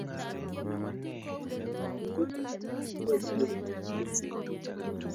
Koik alak keboishie eng tekset